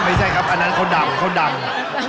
ไม่ใช่ครับอันนั้นคนดังคนดัง